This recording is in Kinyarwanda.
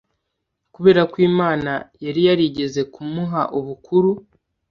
Kubera ko Imana yari yarigeze kumuha ubukuru